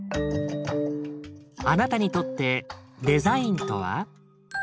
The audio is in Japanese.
あなたにとってデザインとは？